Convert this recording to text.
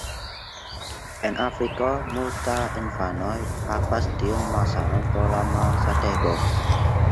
En Afriko multa infanoj havas tiun malsanon pro la malsatego.